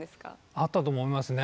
あったと思いますね。